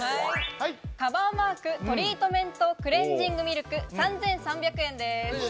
「カバーマークトリートメントクレンジングミルク」３３００円です。